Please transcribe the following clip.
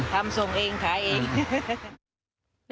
ทำส่งเองขายเอง